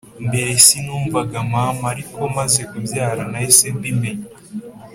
Mbere si numvaga mama ariko maze kubyara nahise mbimenya